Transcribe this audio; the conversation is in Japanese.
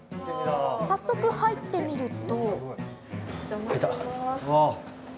早速、入ってみると。